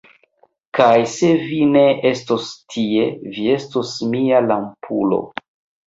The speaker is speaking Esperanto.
Kaj se vi ne estos tie, vi estos mia lampulo.